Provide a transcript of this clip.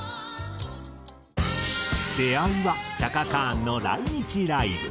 出会いはチャカ・カーンの来日ライブ。